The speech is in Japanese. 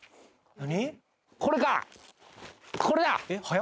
何？